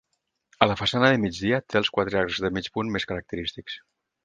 A la façana de migdia té els quatre arcs de mig punt més característics.